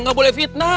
nggak boleh fitnah